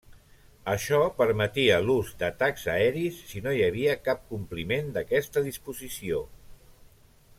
Això permetia l'ús d'atacs aeris si no hi havia cap compliment d'aquesta disposició.